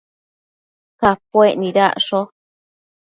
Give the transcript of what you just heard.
Capuec nidacsho